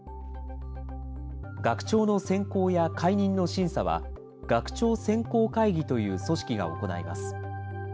学長の選考や解任の審査は、学長選考会議という組織が行います。